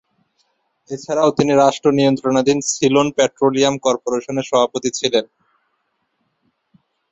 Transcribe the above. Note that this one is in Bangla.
এছাড়াও তিনি রাষ্ট্র নিয়ন্ত্রণাধীন সিলন পেট্রোলিয়াম কর্পোরেশনের সভাপতি ছিলেন।